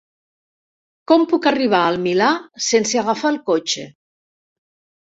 Com puc arribar al Milà sense agafar el cotxe?